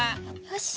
よし。